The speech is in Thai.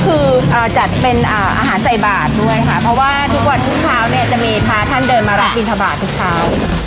จะมีพาท่านเดินมาร้านกินข้าวบาททุกเช้า